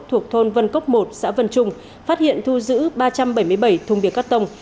thuộc thôn vân cốc một xã vân trung phát hiện thu giữ ba trăm bảy mươi bảy thùng bia cắt tông